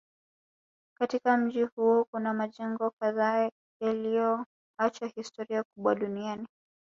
Katika mji huo kuna majengo kadhaa yaliyoacha historia kubwa duniani